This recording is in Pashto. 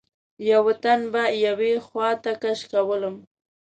یوه تن به یوې خواته کش کولم.